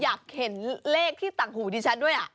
อยากเห็นเลขที่ต่างหูดิฉันด้วย